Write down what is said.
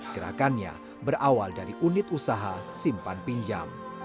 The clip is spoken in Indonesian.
gerakannya berawal dari unit usaha simpan pinjam